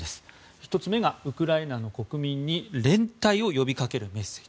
１つ目がウクライナの国民に連帯を呼びかけるメッセージ。